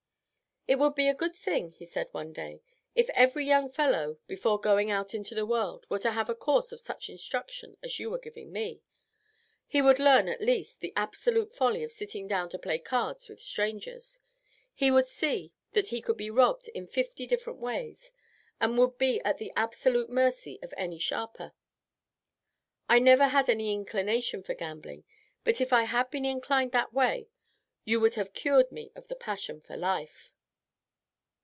"It would be a good thing," he said one day, "if every young fellow before going out into the world were to have a course of such instruction as you are giving me; he would learn, at least, the absolute folly of sitting down to play cards with strangers. He would see that he could be robbed in fifty different ways, and would be at the absolute mercy of any sharper. I never had any inclination for gambling, but if I had been inclined that way you would have cured me of the passion for life."